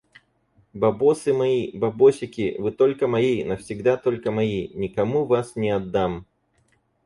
Бабосы мои, бабосики. Вы только мои, навсегда только мои. Никому вас не отдам.